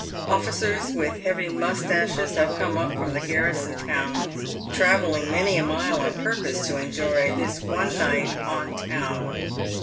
Officers with heavy moustaches have come up from the garrison towns, travelling many a mile on purpose to enjoy this one night on town.